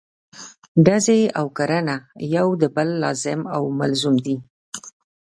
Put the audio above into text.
ډزې او کرنه یو د بل لازم او ملزوم دي.